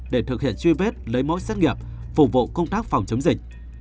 để thực hiện truy vết lấy mỗi xét nghiệp phục vụ công tác phòng chống dịch